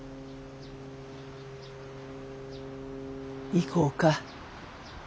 行こうか。